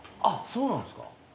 そうなんすか？